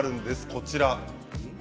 こちら。